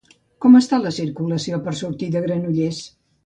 Com està la circulació per sortir de Granollers?